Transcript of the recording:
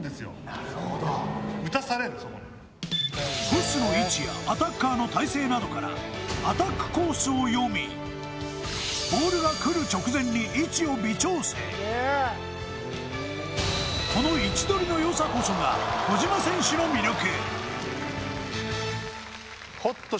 なるほど打たされるそこにトスの位置やアタッカーの体勢などからアタックコースを読みボールがくる直前にこの位置取りの良さこそが小島選手の魅力ＳＰ